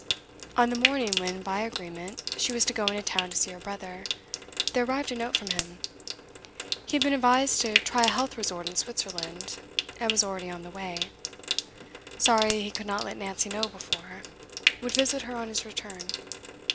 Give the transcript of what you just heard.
On the morning when, by agreement, she was to go into town to see her brother, there arrived a note from him. He had been advised to try a health resort in Switzerland, and was already on the way. Sorry he could not let Nancy know before; would visit her on his return.